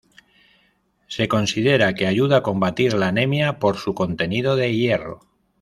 Se considera que ayuda a combatir la anemia, por su contenido de hierro.